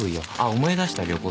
思い出した旅行先。